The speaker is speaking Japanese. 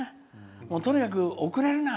とにかく遅れるな！